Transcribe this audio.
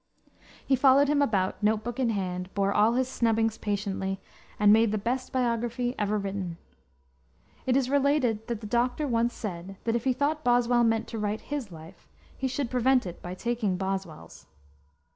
He followed him about, note book in hand, bore all his snubbings patiently, and made the best biography ever written. It is related that the doctor once said that if he thought Boswell meant to write his life, he should prevent it by taking Boswell's.